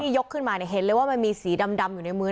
ยกขึ้นมาเห็นเลยว่ามันมีสีดำอยู่ในมือ